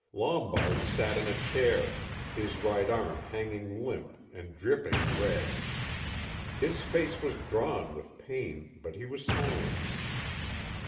Lombard sat in a chair, his right arm hanging limp and dripping red. His face was drawn with pain, but he was silent.